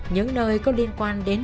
những nơi có liên quan đến